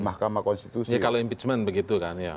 mahkamah konstitusi kalau impeachment begitu kan